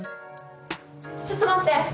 ちょっと待って！